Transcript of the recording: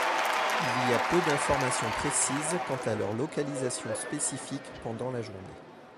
Il y a peu d'informations précises quant à leur localisation spécifique pendant la journée.